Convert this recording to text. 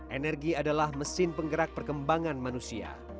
energi adalah mesin penggerak perkembangan manusia